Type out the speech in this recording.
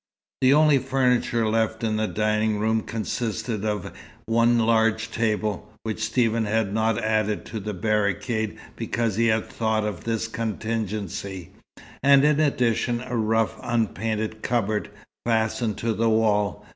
The only furniture left in the dining room consisted of one large table (which Stephen had not added to the barricade because he had thought of this contingency) and in addition a rough unpainted cupboard, fastened to the wall.